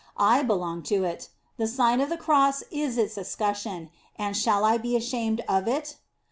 I belong to it. The Sign of the Cross is its escutcheon, and shall I be ashamed of it?